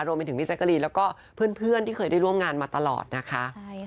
รวมไปถึงพี่แจ๊กกะรีนแล้วก็เพื่อนที่เคยได้ร่วมงานมาตลอดนะคะ